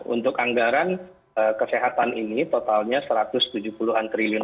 untuk anggaran kesehatan ini totalnya rp satu ratus tujuh puluh an triliun